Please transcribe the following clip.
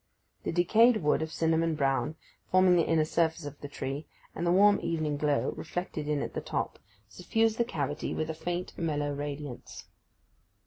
The decayed wood of cinnamon brown, forming the inner surface of the tree, and the warm evening glow, reflected in at the top, suffused the cavity with a faint mellow radiance.